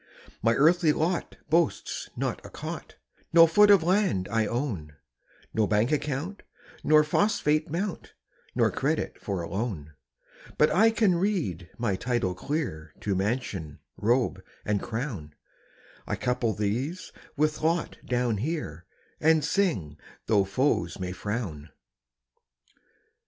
My earthly lot boasts not a cot, No foot of land I own, No bank account nor phosphate mount, Nor credit for a loan; But I can read my title clear To mansion, robe, and crown; I couple these with lot down here, And sing, tho' foes may frown.